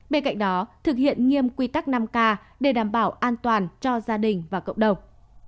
bên cạnh đó thực hiện nghiêm quy tắc năm k để đảm bảo an toàn cho gia đình và cộng đồng